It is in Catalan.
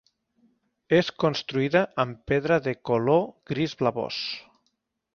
És construïda amb pedra de color gris blavós.